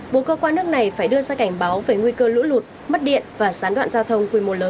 bộ cơ quan nước này phải đưa ra cảnh báo về nguy cơ lũ lụt mất điện và sán đoạn